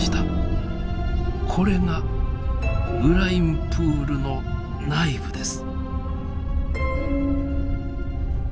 これがブラインプールの内部です。